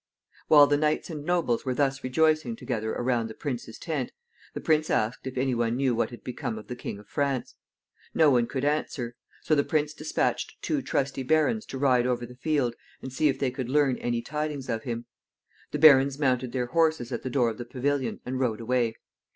While the knights and nobles were thus rejoicing together around the prince's tent, the prince asked if any one knew what had become of the King of France. No one could answer. So the prince dispatched two trusty barons to ride over the field and see if they could learn any tidings of him. The barons mounted their horses at the door of the pavilion and rode away.